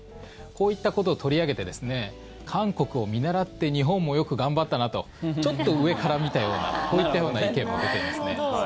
こういったことを取り上げて韓国を見習って日本もよく頑張ったなとちょっと上から見たようなこういったような意見も出ていますね。